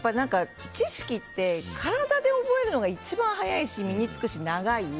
知識って体で覚えるのが一番早いし身に付くし、長い。